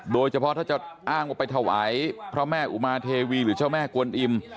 โดยเฉพาะถ้าจะอ้างว่าไปถวายพระแม่อุมาเทวีหรือเจ้าแม่กวนอิ่ม